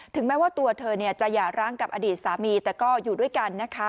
แม้ว่าตัวเธอจะหย่าร้างกับอดีตสามีแต่ก็อยู่ด้วยกันนะคะ